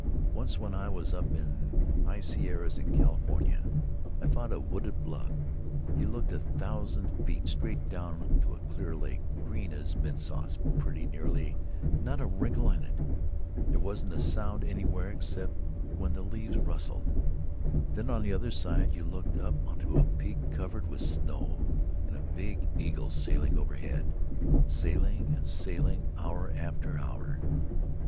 Once when I was up in the high Sierras, in California, I found a wooded bluff—you looked a thousand feet straight down to a clear lake, green as mint sauce pretty nearly, not a wrinkle on it. There wasn't a sound anywhere except when the leaves rustled. Then on the other side you looked way up to a peak covered with snow, and a big eagle sailing overhead—sailing and sailing, hour after hour.